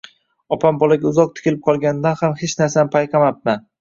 Opam bolaga uzoq tilikib qolganidan ham hech narsani payqamapman